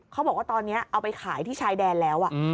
เขาบอกว่าตอนนี้เอาไปขายที่ชายแดนแล้ว